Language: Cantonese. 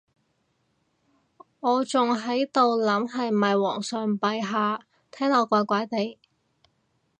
我仲喺度諗係咪皇上陛下，聽落怪怪哋